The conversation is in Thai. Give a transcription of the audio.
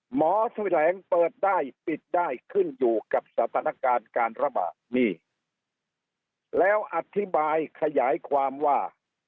แสวงเปิดได้ปิดได้ขึ้นอยู่กับสถานการณ์การระบาดนี่แล้วอธิบายขยายความว่า